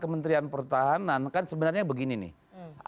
kementerian pertahanan kan sebenarnya begini nih